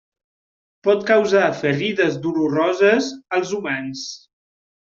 Pot causar ferides doloroses als humans.